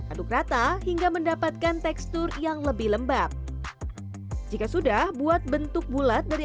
aduk rata hingga mendapatkan tekstur yang lebih lembab jika sudah buat bentuk bulat dari